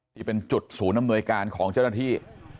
ที่เป็นจุดศูนย์อำนวยการของเจ้าหน้าที่